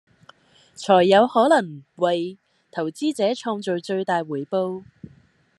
才有可能為投資者創造最大回報